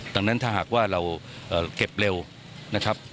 ดังนั้นถ้าหากว่าเราเก็บเร็วนะครับ